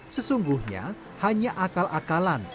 sesungguhnya hanya akal akal lainnya